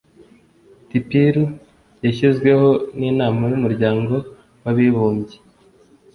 tpir yashyizweho n'inama y'umuryango w'abibumbye